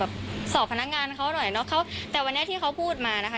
เอ่อสอบพนักงานเขาหน่อยแต่วันนี้ที่เขาพูดมานะฮะ